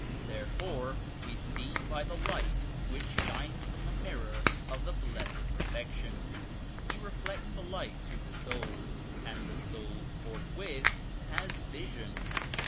Therefore we see by the Light which shines from the Mirror of the Blessed Perfection. He re flects the Light to the soul and the soul forth , with has vision.